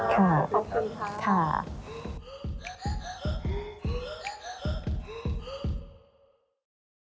ขอบคุณค่ะ